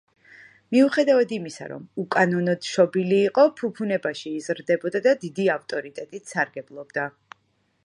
მიუხედავად იმისა, რომ უკანონოდ შობილი იყო, ფუფუნებაში იზრდებოდა და დიდი ავტორიტეტით სარგებლობდა.